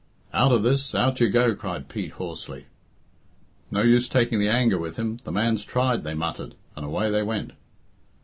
"Out of this! Out you go!" cried Pete hoarsely. "No use taking the anger with him the man's tried," they muttered, and away they went.